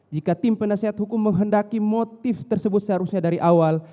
jika tim penasehat hukum menghendaki motif tersebut seharusnya dari awal